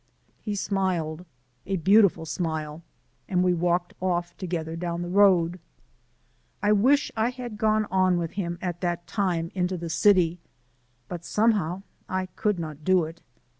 He smiled, a beautiful smile, and we walked off together down the road. I wish I had gone on with him at that time into the city, but somehow I could not do it.